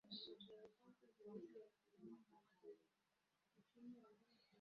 Waliwatolea pesa.